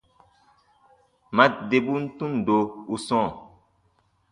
Ma debun tundo u sɔ̃ɔ.